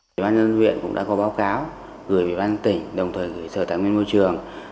quỹ ban nhân dân huyện cũng đã có báo cáo gửi quỹ ban tỉnh đồng thời gửi sở tài nguyên môi trường